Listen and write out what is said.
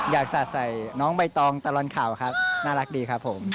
สาดใส่น้องใบตองตลอดข่าวครับน่ารักดีครับผม